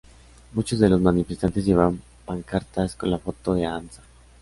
Muchos de los manifestantes llevaban pancartas con la foto de Hamza.